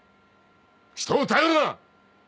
人を頼るな。